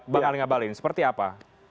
bang ali ngabalin seperti apa